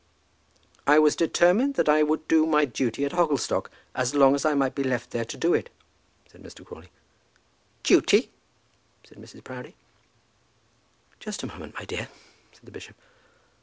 "I was determined that I would do my duty at Hogglestock, as long as I might be left there to do it," said Mr. Crawley. "Duty!" said Mrs. Proudie. "Just a moment, my dear," said the bishop.